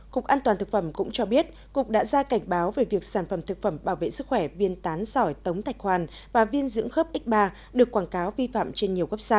cục an toàn thực phẩm cũng cho biết cục đã ra cảnh báo về việc sản phẩm thực phẩm bảo vệ sức khỏe viên tán sỏi tống thạch hoàn và viên dưỡng khớp x ba được quảng cáo vi phạm trên nhiều website